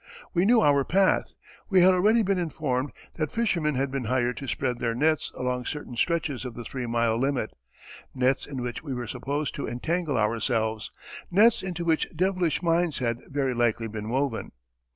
We knew our path. We had already been informed that fishermen had been hired to spread their nets along certain stretches of the three mile limit; nets in which we were supposed to entangle ourselves; nets into which devilish mines had very likely been woven....